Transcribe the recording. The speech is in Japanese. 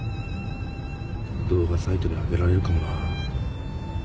動画サイトに上げられるかもな。